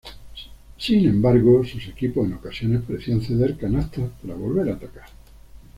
Sin embargo, sus equipos en ocasiones parecían ceder canastas para volver a atacar.